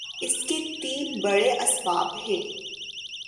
اس کے تین بڑے اسباب ہیں۔